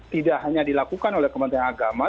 tidak hanya dilakukan oleh kementerian agama